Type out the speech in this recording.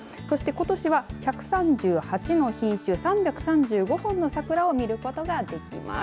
そして、ことしは１３８の品種３３５本の桜を見ることができます。